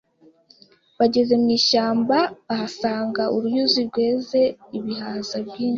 bageze mu ishyamba bahasanga uruyuzi rweze ibihaza byinshi